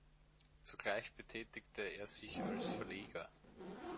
Zugleich betätigte er sich als Verleger.